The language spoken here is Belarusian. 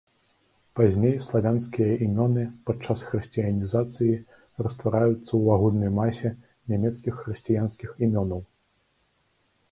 Пазней славянскія імёны, падчас хрысціянізацыі, раствараюцца ў агульнай масе нямецкіх хрысціянскіх імёнаў.